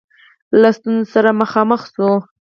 له ستونزو سره مخامخ سوه.